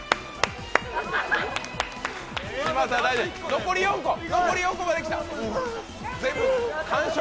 残り４個まできた。